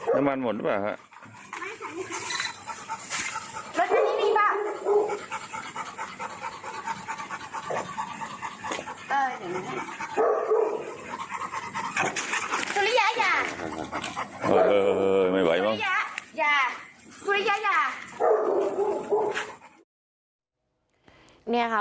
นี่ค่ะพูดย้าย่า